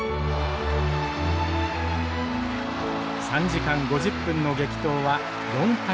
３時間５０分の激闘は４対３。